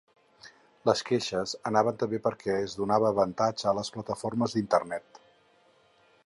Les queixes anaven també perquè es donava avantatge a les plataformes d’internet.